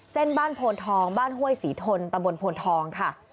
เส้นบ้านโพนทองบ้านห้วยศรีทนตำบลโพนทองค่ะ